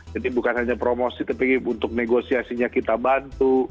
jadi bukan hanya promosi tapi untuk negosiasinya kita bantu